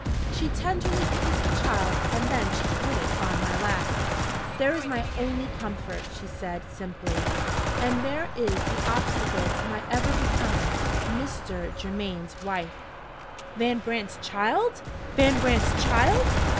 She tenderly kissed the child, and then she put it on my lap. 'There is my only comfort,' she said, simply; 'and there is the obstacle to my ever becoming Mr. Germaine's wife.'" Van Brandt's child! Van Brandt's child!